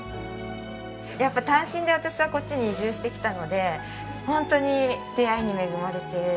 やっぱり単身で私はこっちに移住してきたので本当に出会いに恵まれて。